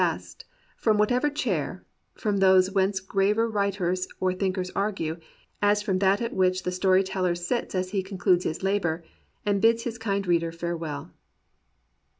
THACKERAY AND REAL MEN best, from whatever chair — ^from those whence graver writers or thinkers argue, as from that at which the story teller sits as he concludes his labour, and bids his kind reader farewell."